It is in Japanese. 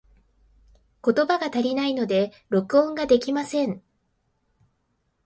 言葉が足りないので、録音ができません。